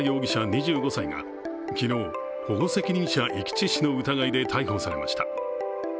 ２５歳が昨日、保護責任者遺棄致死の疑いで逮捕されました。